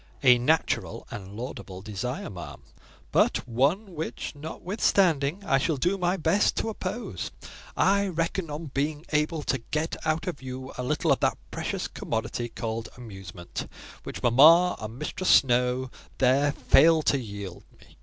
"A natural and laudable desire, ma'am; but one which, notwithstanding, I shall do my best to oppose. I reckon on being able to get out of you a little of that precious commodity called amusement, which mamma and Mistress Snowe there fail to yield me."